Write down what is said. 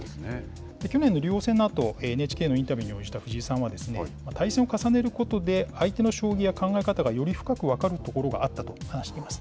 去年の竜王戦のあと、ＮＨＫのインタビューに応じた藤井さんは、対戦を重ねることで、相手の将棋や考え方がより深く分かるところがあったと話しています。